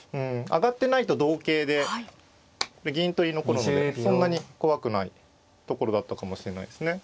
上がってないと同桂で銀取り残るのでそんなに怖くないところだったかもしれないですね。